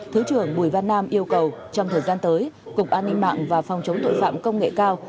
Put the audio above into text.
thứ trưởng bùi văn nam yêu cầu trong thời gian tới cục an ninh mạng và phòng chống tội phạm công nghệ cao